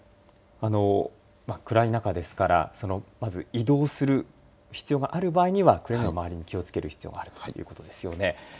暗い中ですからまず移動する必要がある場合にはくれぐれも周りに気をつける必要があるということですよね。